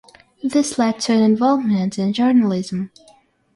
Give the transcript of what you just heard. This led to an involvement in journalism.